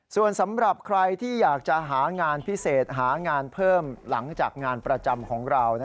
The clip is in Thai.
ส่วนสำหรับใครที่อยากจะหางานพิเศษหางานเพิ่มหลังจากงานประจำของเรา